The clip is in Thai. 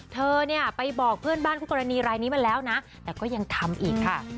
เธอเนี่ยไปบอกเพื่อนบ้านคู่กรณีรายนี้มาแล้วนะแต่ก็ยังทำอีกค่ะ